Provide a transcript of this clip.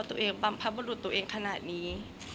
แต่ขวัญไม่สามารถสวมเขาให้แม่ขวัญได้